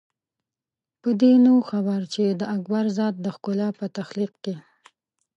په دې نه وو خبر چې د اکبر ذات د ښکلا په تخلیق کې.